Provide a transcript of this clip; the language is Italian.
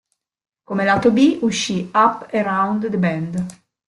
Come lato B uscì "Up Around the Bend".